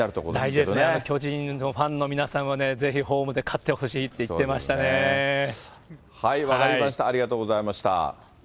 大事ですね、巨人のファンの皆さんはね、ぜひホームで勝って分かりました、ありがとうございました。